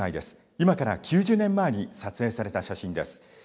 今から９０年前に撮影された写真です。